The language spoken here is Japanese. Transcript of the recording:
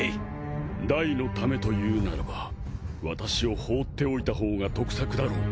ダイのためというならば私を放っておいたほうが得策だろう。